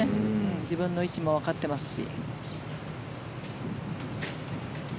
自分の位置もわかっていますし。